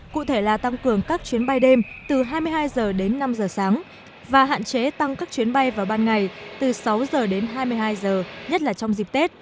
cụ thể là tăng cường các chuyến bay đêm từ hai mươi hai h đến năm h sáng và hạn chế tăng các chuyến bay vào ban ngày từ sáu giờ đến hai mươi hai giờ nhất là trong dịp tết